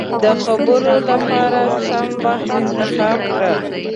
د خبرو له پاره سم وخت انتخاب کړه.